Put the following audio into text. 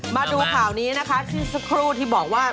มาดูข่าวนี้นะคะที่สักครู่ที่บอกว่า